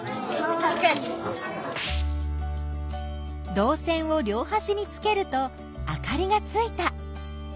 どう線を両はしにつけるとあかりがついた。